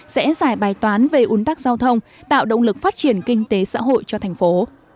sẽ giải bài toán về un tắc giao thông tạo động lực phát triển kinh tế xã hội cho thành phố